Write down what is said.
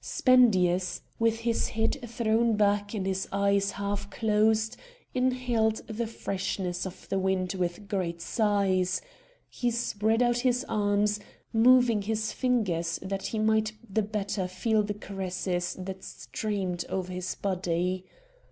Spendius, with his head thrown back and his eyes half closed, inhaled the freshness of the wind with great sighs; he spread out his arms, moving his fingers that he might the better feel the cares that streamed over his body.